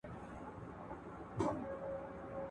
هغه یې د ناوړه کار پر «شک» باندي «وژلای سوای»